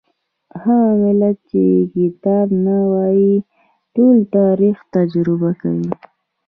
هغه ملت چې کتاب نه وايي ټول تاریخ تجربه کوي.